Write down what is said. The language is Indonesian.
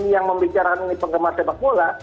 yang membicarakan ini penggemar sepak bola